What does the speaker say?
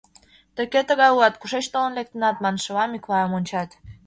«Тый кӧ тыгай улат, кушеч толын лектынат?» маншыла Миклайым ончат.